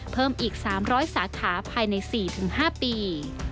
เพิ่มอีก๓๐๐สาขาภายใน๔๕ปี